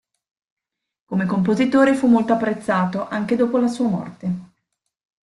Come compositore fu molto apprezzato, anche dopo la sua morte.